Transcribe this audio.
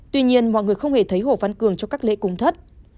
tuy nhiên mọi người không hề thấy hồ văn cường cho các lễ cúng thất